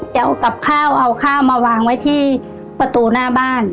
จะเอากับข้าวเอาข้าวมาวางไว้ที่ประตูหน้าบ้าน